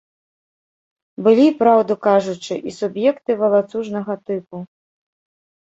Былі, праўду кажучы, і суб'екты валацужнага тыпу.